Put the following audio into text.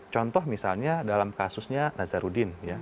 contoh misalnya dalam kasusnya nazarudin